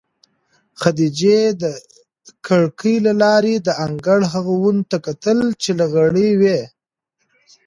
خدیجې د کړکۍ له لارې د انګړ هغو ونو ته کتل چې لغړې وې.